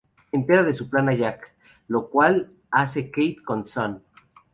Entera de su plan a Jack, lo cual hace Kate con Sun.